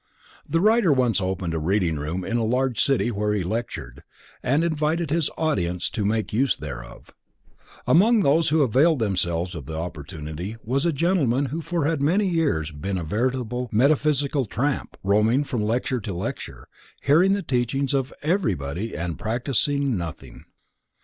The writer once opened a reading room in a large city where he lectured, and invited his audience to make use thereof. Among those who availed themselves of the opportunity was a gentleman who had for many years been a veritable "metaphysical tramp," roaming from lecture to lecture, hearing the teachings of everybody and practicing nothing.